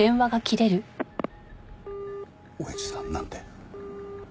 親父さんなんて？